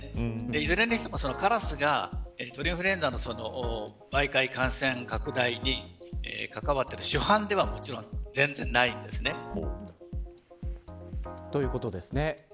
いずれにしても、カラスが鳥インフルエンザの媒介感染拡大に関わっている主犯ではもちろん全然ないんですね。ということですね。